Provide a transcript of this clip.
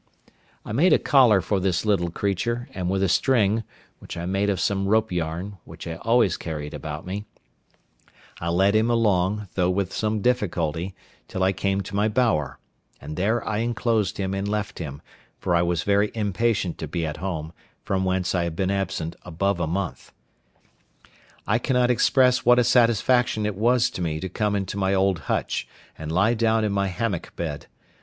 I made a collar for this little creature, and with a string, which I made of some rope yarn, which I always carried about me, I led him along, though with some difficulty, till I came to my bower, and there I enclosed him and left him, for I was very impatient to be at home, from whence I had been absent above a month. I cannot express what a satisfaction it was to me to come into my old hutch, and lie down in my hammock bed.